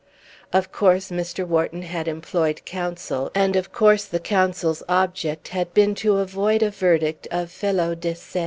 Of course Mr. Wharton had employed counsel, and of course the counsel's object had been to avoid a verdict of felo de se.